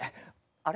あれ？